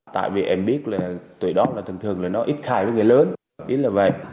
tại vì em biết là tuổi đó thường thường là nó ít khai với người lớn ít là vậy